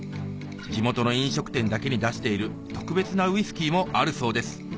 地元の飲食店だけに出している特別なウイスキーもあるそうです